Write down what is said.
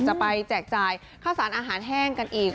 แจกจ่ายข้าวสารอาหารแห้งกันอีก